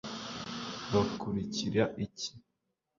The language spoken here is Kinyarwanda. bakurikira iki